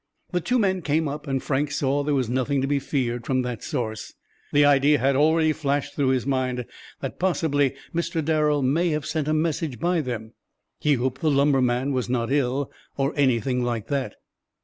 The two men came up and Frank saw there was nothing to be feared from that source. The idea had already flashed through his mind that possibly Mr. Darrel may have sent a message by them; he hoped the lumberman was not ill, or anything like that.